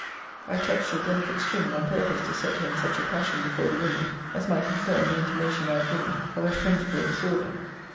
I touched a delicate string, on purpose to set her in such a passion before the women, as might confirm the intimation I had given of a phrensical disorder.